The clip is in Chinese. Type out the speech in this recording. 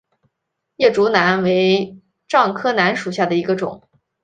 竹叶楠为樟科楠属下的一个种。